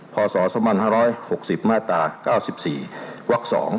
พส๕๖๐๙๔ว๒